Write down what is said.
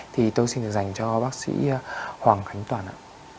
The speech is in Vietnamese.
thì tôi xin được dành cho bác sĩ hoàng khánh toàn ạ